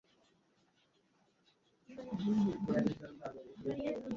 নির্বাচনের গ্রহণযোগ্যতা নিশ্চিত করার জন্যই কমিশন তাদের ওপর অর্পিত ক্ষমতা প্রয়োগ করুক।